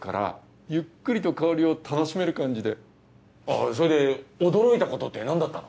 あそれで驚いたことって何だったの？